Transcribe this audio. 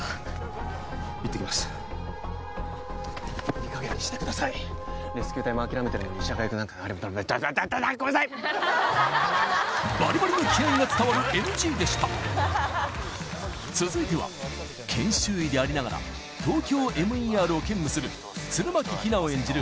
いい加減にしてくださいバリバリの気合が伝わるＮＧでした続いては研修医でありながらＴＯＫＹＯＭＥＲを兼務する弦巻比奈を演じる